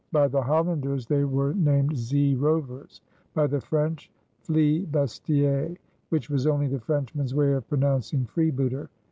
By the Hollanders they were named "zee rovers"; by the French "flibustiers," which was only the Frenchman's way of pronouncing "freebooter."